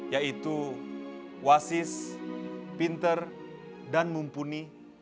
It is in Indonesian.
yaitu wasis pinter dan mumpuni